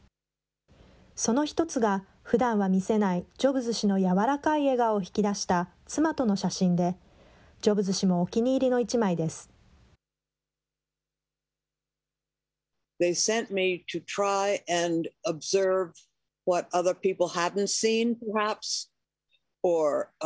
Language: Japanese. その一つが、ふだんは見せないジョブズ氏の柔らかい笑顔を引き出した妻との写真で、ジョブズ氏もお気に入りの一枚です。